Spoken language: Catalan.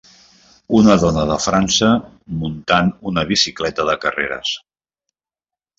Una dona de França muntant una bicicleta de carreres.